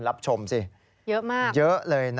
ดิฉันชอบเก้าอี้มหาศจรรย์และกระจกร้านของฉัน